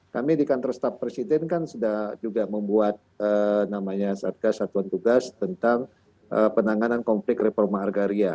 kami di kantor staf presiden kan sudah juga membuat namanya satgas satuan tugas tentang penanganan konflik reforma agraria